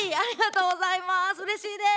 うれしいです。